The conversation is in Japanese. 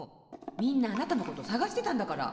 みんなあなたのことさがしてたんだから。